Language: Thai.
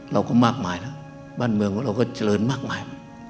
เราก็มากมายแล้วบ้านเมืองของเราก็เจริญมากมาย